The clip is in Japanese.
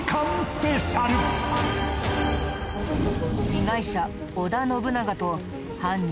被害者織田信長と犯人